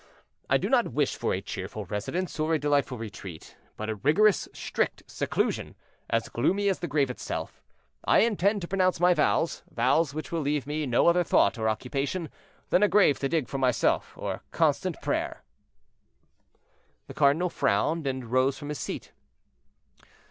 I do not wish for a cheerful residence or a delightful retreat, but a rigorously strict seclusion, as gloomy as the grave itself. I intend to pronounce my vows, vows which will leave me no other thought or occupation than a grave to dig for myself, or constant prayer." The cardinal frowned, and rose from his seat.